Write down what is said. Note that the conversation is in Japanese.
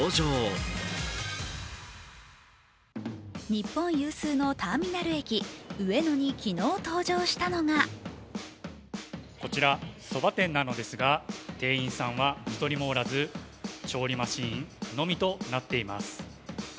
日本有数のターミナル駅、上野に昨日登場したのがこちら、そば店なのですが店員さんは１人もおらず調理マシンのみとなっています。